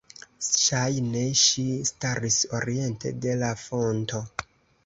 Ŝajne ŝi staris oriente de la fonto.